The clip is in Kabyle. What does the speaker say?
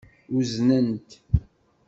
Uznen-t.